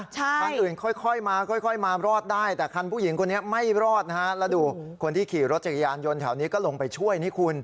คันอื่นค่อยมาค่อยมารอดได้แต่คันผู้หญิงคนนี้ไม่รอดนะฮะแล้วดูคนที่ขี่รถจักรยานยนต์แถวนี้ก็ลงไปช่วยนี่คุณ